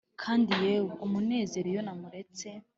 kandi yewe, umunezero iyo namuretse!